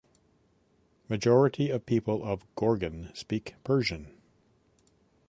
Majority of people of Gorgan speak Persian.